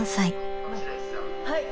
はい！